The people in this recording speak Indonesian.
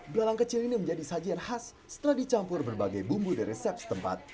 belalang kecil ini menjadi sajian khas setelah dicampur berbagai bumbu dari resep setempat